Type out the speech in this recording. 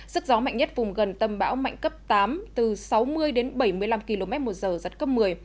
sức gió mạnh nhất vùng gần tâm bão mạnh cấp tám từ sáu mươi đến bảy mươi năm km một giờ giật cấp một mươi